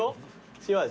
塩味？